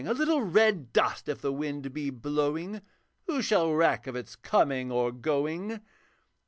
A little red dust, if the wind be blowing Who shall reck of its coming or going?'